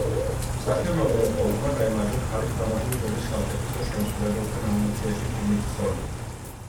მსახიობმა გლენ ქლოუსმა გაიმარჯვა ქალის დრამატული როლის საუკეთესო შემსრულებელთა ნომინაციაში ფილმით „ცოლი“.